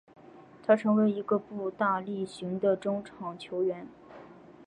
他成为一个步大力雄的中场球员。